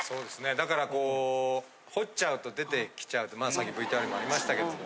だからこう掘っちゃうと出てきちゃうってさっきＶＴＲにもありましたけども。